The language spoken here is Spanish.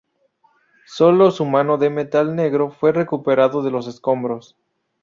Sólo su mano de metal negro fue recuperado de los escombros.